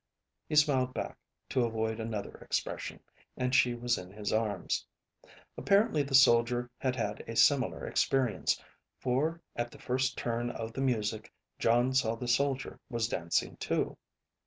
He smiled back, to avoid another expression, and she was in his arms. Apparently the soldier had had a similar experience, for at the first turn of the music, Jon saw the soldier was dancing too.